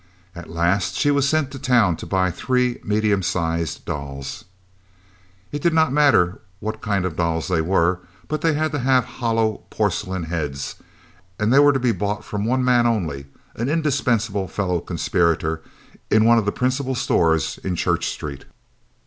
At last she was sent to town to buy three medium sized dolls. It did not matter much what kind of dolls they were, but they had to have hollow porcelain heads, and they were to be bought from one man only, an indispensable fellow conspirator in one of the principal stores in Church Street.